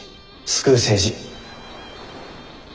救う政治。